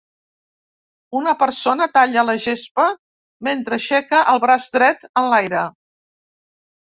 Una persona talla la gespa mentre aixeca el braç dret enlaire.